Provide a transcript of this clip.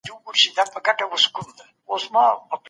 اقتصادي راکړه ورکړه د هیوادونو ترمنځ باور زیاتوي.